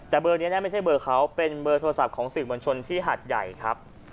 แต่เบอร์นี้นะไม่ใช่เบอร์เขาเป็นเบอร์โทรศัพท์ของสื่อมวลชนที่หัดใหญ่ครับ